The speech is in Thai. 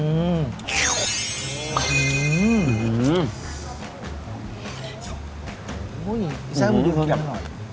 อุ้ยซ้ำดีดีกว่าไม่อร่อย